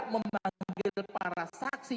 memanggil para saksi